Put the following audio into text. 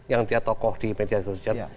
yang dia tokoh di media sosial